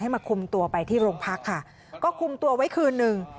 มาคุมตัวไปที่โรงพักค่ะก็คุมตัวไว้คืนหนึ่ง